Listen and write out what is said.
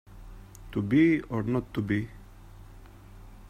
To be or not to be